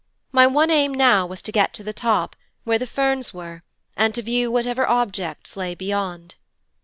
My one aim now was to get to the top, where the ferns were, and to view whatever objects lay beyond.